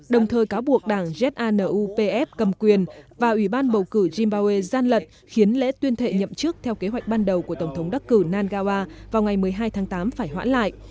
đồng thời cáo buộc đảng janu pf cầm quyền và ủy ban bầu cử trimbawe gian lật khiến lễ tuyên thệ nhậm chức theo kế hoạch ban đầu của tổng thống đắc cử nagawa vào ngày một mươi hai tháng tám phải hoãn lại